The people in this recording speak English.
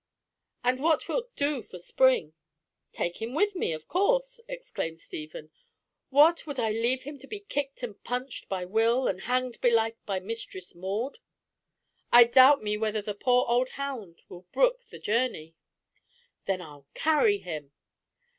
"And what wilt do for Spring!" "Take him with me, of course!" exclaimed Stephen. "What! would I leave him to be kicked and pinched by Will, and hanged belike by Mistress Maud?" "I doubt me whether the poor old hound will brook the journey." "Then I'll carry him!"